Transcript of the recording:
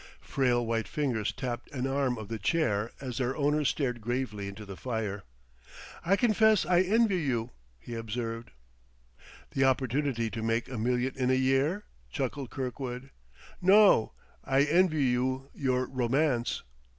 Frail white fingers tapped an arm of the chair as their owner stared gravely into the fire. "I confess I envy you," he observed. "The opportunity to make a million in a year?" chuckled Kirkwood. "No. I envy you your Romance."